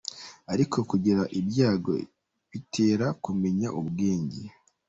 Ariko kugira ibyago bitera kumenya ubwenge.